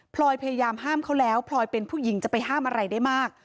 พยายามห้ามเขาแล้วพลอยเป็นผู้หญิงจะไปห้ามอะไรได้มาก